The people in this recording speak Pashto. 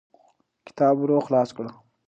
کتاب ورو خلاص کړه.